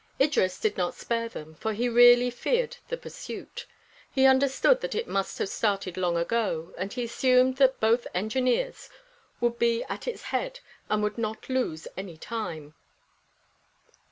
Idris did not spare them, for he really feared the pursuit. He understood that it must have started long ago, and he assumed that both engineers would be at its head and would not lose any time.